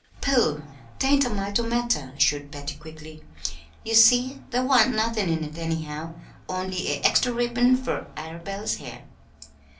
"Pooh! 'tain't a mite o' matter," assured Patty, quickly. "Ye see, dar wa'n't nothin' in it, anyhow, only a extry ribb'n fur Arabella's hair."